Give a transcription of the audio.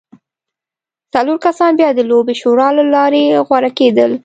څلور کسان بیا د لویې شورا له لارې غوره کېدل